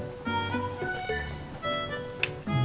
gak usah sembunyinya